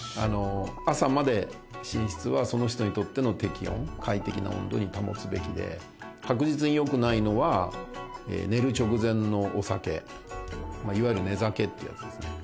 朝まで寝室はその人にとっての適温、快適な温度に保つべきで、確実によくないのは、寝る直前のお酒、いわゆる寝酒ってやつですね。